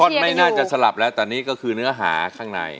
ไม่น่าจะสลับแล้วแต่นี่ก็คือเนื้อหาข้างใน